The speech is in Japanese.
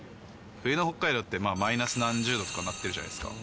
冬の北海道って、まあマイナス何十度とかなってるじゃないですか。